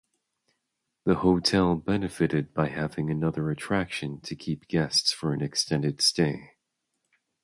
The hotel benefited by having another attraction to keep guests for an extended stay.